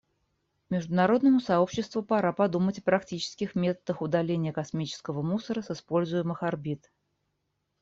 Международному сообществу пора подумать о практических методах удаления космического мусора с используемых орбит.